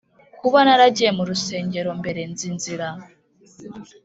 kuba naragiye mu rusengero mbere, nzi inzira.